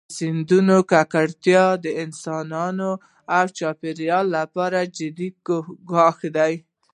د سیندونو ککړتیا د انسانانو او چاپېریال لپاره جدي ګواښ دی.